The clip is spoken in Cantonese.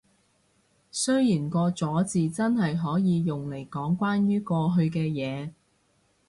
雖然個咗字真係可以用嚟講關於過去嘅嘢